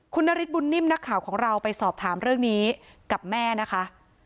คุณน่ะนิดบุ้นนิ่มจะสอบถามเรื่องนี้กัจะแม่นะคะ